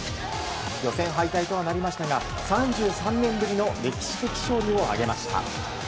予選敗退とはなりましたが３３年ぶりの歴史的勝利を挙げました。